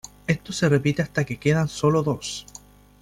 Esto se repite hasta que quedan solo dos.